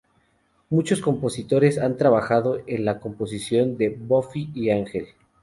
Muchos compositores han trabajado en la composición de "Buffy" y "Ángel".